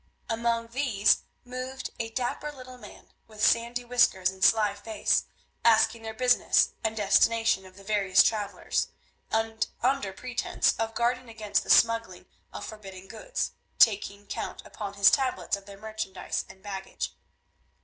Among these moved a dapper little man, with sandy whiskers and sly face, asking their business and destination of the various travellers, and under pretence of guarding against the smuggling of forbidden goods, taking count upon his tablets of their merchandise and baggage.